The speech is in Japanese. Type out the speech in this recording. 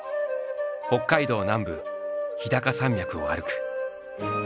北海道南部日高山脈を歩く。